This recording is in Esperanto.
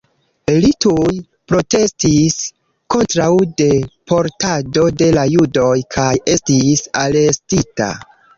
Li tuj protestis kontraŭ deportado de la judoj kaj estis arestita.